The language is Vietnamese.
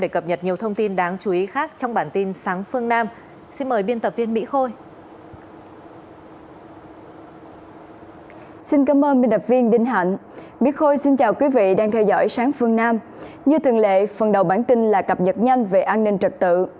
các bản tin là cập nhật nhanh về an ninh trật tự